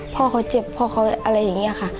พ่อเขาเจ็บพ่อเขาอะไรอย่างนี้ค่ะ